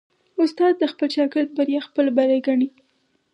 استاد د خپل شاګرد بریا خپل بری ګڼي.